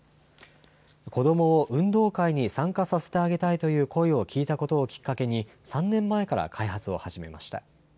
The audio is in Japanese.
子どもを運動会に参加させてあげたいという声を聞いたことをきっかけに、３年前から開発を始めました。